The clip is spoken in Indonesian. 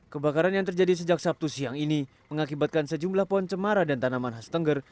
kebakaran yang terjadi sejak sabtu siang ini mengakibatkan sejumlah pohon cemara dan tanaman khas tengger